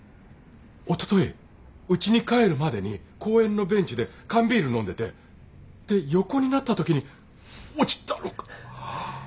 おとというちに帰るまでに公園のベンチで缶ビール飲んでてで横になったときに落ちたのか。